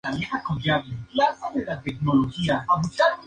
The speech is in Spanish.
Por lo general los nervios sensoriales no se ven afectados.